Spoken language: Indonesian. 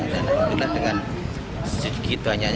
dan sebetulnya dengan sedikit banyaknya